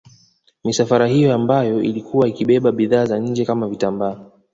Misafara hiyo ambayo ilikuwa ikibeba bidhaa za nje kama vitambaa